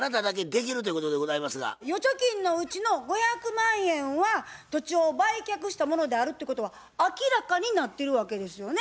預貯金のうちの５００万円は土地を売却したものであるっていうことは明らかになってるわけですよね。